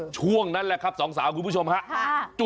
ช่วงนั้นแหละครับสองสาวคุณผู้ชมฮะ